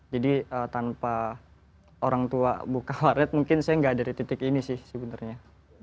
jadi tanpa orang tua buka warnet mungkin saya nggak dari titik ini sih sebenarnya